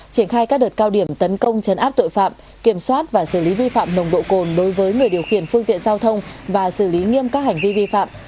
triển khai các đợt cao điểm tấn công chấn áp tội phạm kiểm soát và xử lý vi phạm nồng độ cồn đối với người điều khiển phương tiện giao thông và xử lý nghiêm các hành vi vi phạm